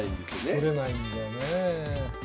取れないんだよね。